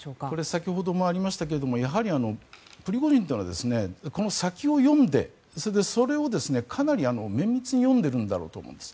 先ほどもありましたがプリゴジンというのはこの先を読んでそれをかなり綿密に読んでるんだろうと思います。